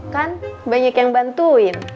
kan banyak yang bantuin